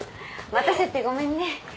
待たせてごめんね。